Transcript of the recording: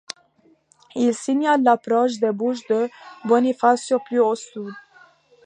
Il signale l'approche des bouches de Bonifacio plus au sud.